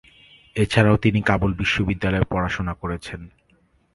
এছাড়াও তিনি কাবুল বিশ্ববিদ্যালয়ে পড়াশোনা করেছেন।